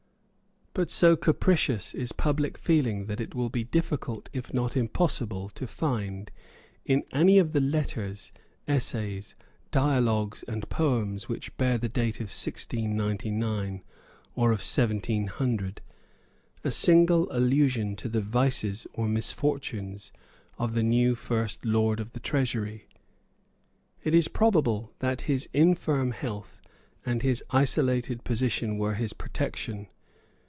But so capricious is public feeling that it will be difficult, if not impossible, to find, in any of the letters, essays, dialogues, and poems which bear the date of 1699 or of 1700, a single allusion to the vices or misfortunes of the new First Lord of the Treasury. It is probable that his infirm health and his isolated position were his protection.